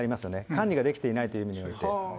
管理ができていないという意味において。